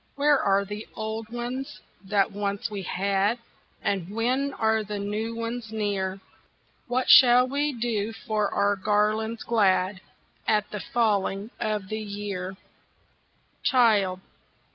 Where are the old ones that once we had, And when are the new ones near? What shall we do for our garlands glad At the falling of the year?" "Child!